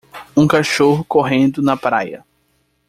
Um cachorro correndo na praia.